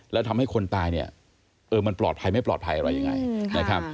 แล้วทำให้คนตายเนี่ยเออมันปลอดภัยไม่ปลอดภัยอะไรยังไงนะครับ